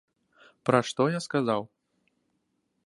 Пра што я сказаў.